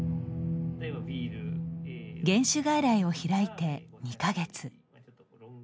減酒外来を開いて２か月。